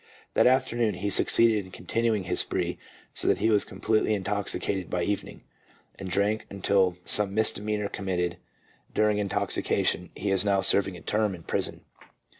That afternoon he succeeded in con tinuing his spree so that he was completely intoxi cated by evening, and drank until through some misdemeanour committed during intoxication he is now serving a term in prison.